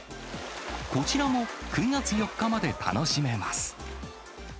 こちらも９月４日まで楽しめます。